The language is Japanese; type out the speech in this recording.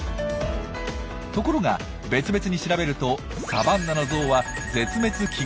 ところが別々に調べるとサバンナのゾウは絶滅危惧種。